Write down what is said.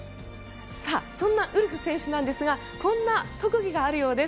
そんなウルフ選手ですがこんな特技があるようです。